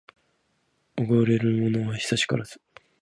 おごれるものは久しからず